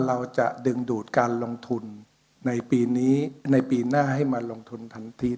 เราจะดึงดูดการลงทุนในปีนี้ในปีหน้าให้มาลงทุนทันที